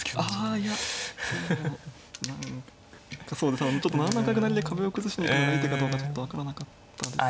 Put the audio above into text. あいやでも何かそうですね７七角成で壁を崩しに行くのがいい手かどうかちょっと分からなかったですね。